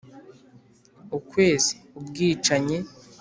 Ukwezi ubwicanyi